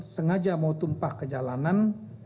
sengaja mau tumpah ke jalanan